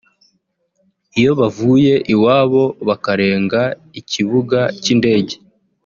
Iyo bavuye iwabo bakarenga ikibuga cy’indege